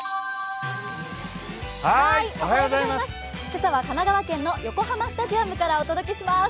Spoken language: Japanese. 今朝は神奈川県の横浜スタジアムからお届けします。